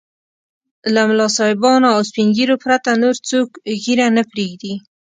له ملا صاحبانو او سپين ږيرو پرته نور څوک ږيره نه پرېږدي.